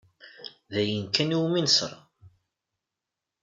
D ayen kan iwumi nesra?